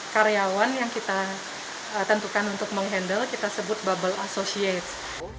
karyawan yang kita tentukan untuk menghandle kita sebut bubble associate